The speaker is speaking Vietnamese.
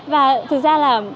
và thực ra là